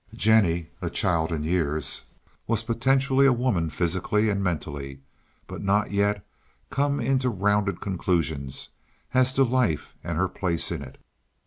Jennie, a child in years, was potentially a woman physically and mentally, but not yet come into rounded conclusions as to life and her place in it.